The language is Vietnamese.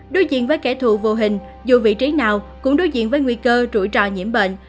đối diện với kẻ thù vô hình dù vị trí nào cũng đối diện với nguy cơ trủi trò nhiễm bệnh